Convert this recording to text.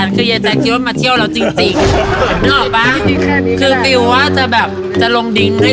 คือยายแจ๊คคิดว่ามาเที่ยวแล้วจริงจริงนึกออกป่ะคือฟิลว่าจะแบบจะลงดิ้งให้